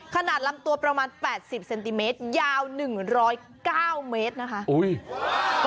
ขนาดลำตัวประมาณ๘๐เซนติเมตรยาว๑๐๙เมตรนะคะ